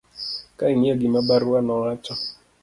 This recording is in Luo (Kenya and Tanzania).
ka ing'iyo gima barua no wacho